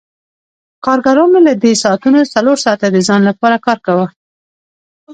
کارګرانو له دې ساعتونو څلور ساعته د ځان لپاره کار کاوه